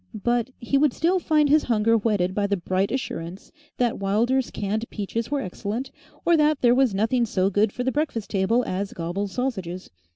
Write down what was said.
But he would still find his hunger whetted by the bright assurance that Wilder's Canned Peaches were excellent, or that there was nothing so good for the breakfast table as Gobble's Sausages.